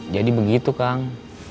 jadi begitu kang